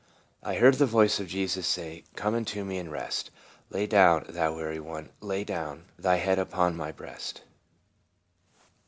" I heard the voice of Jesus say ' Come unto me and rest ; Lay down, thou weary one, lay down Thy head upon my breast.'